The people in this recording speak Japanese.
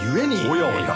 おやおや？